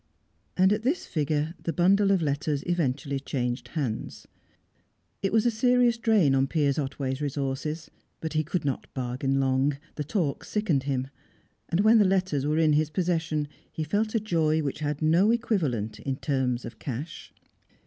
And at this figure the bundle of letters eventually changed hands. It was a serious drain on Piers Otway's resources, but he could not bargain long, the talk sickened him. And when the letters were in his possession, he felt a joy which had no equivalent in terms of cash.